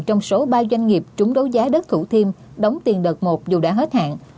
trong số ba doanh nghiệp trúng đấu giá đất thủ thiêm đóng tiền đợt một dù đã hết hạn